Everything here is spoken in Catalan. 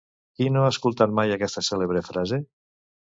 Qui no ha escoltat mai aquesta cèlebre frase?